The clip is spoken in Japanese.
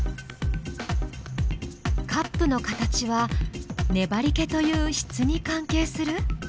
カップの形は「ねばりけ」という「質」に関係する？